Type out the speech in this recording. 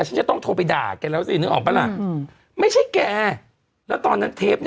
ฉันจะต้องโทรไปด่าแกแล้วสินึกออกปะล่ะไม่ใช่แกแล้วตอนนั้นเทปเนี่ย